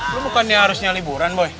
lo bukan ya harusnya liburan boy